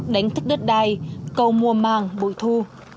đánh thức đất đai cầu mùa màng bội thu